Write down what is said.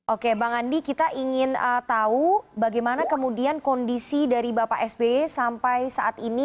oke bang andi kita ingin tahu bagaimana kemudian kondisi dari bapak sby sampai saat ini